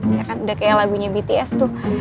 ya kan udah kayak lagunya bts tuh